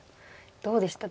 どうでした？